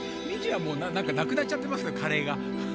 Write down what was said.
ミチはもうなんかなくなっちゃってますねカレーが。